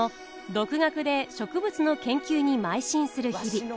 独学で植物の研究にまい進する日々。